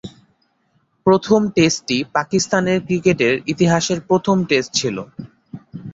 প্রথম টেস্টটি পাকিস্তানের ক্রিকেটের ইতিহাসের প্রথম টেস্ট ছিল।